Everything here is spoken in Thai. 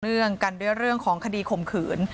งกันด้วยเรื่องของคดีข่มขืน